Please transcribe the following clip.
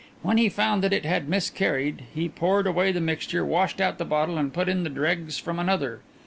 When he found that it had miscarried he poured away the mixture, washed out the bottle and put in the dregs from another.